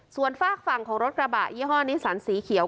ส่วนฝากฝั่งของรถกระบะยี่ห้อนิสันสีเขียว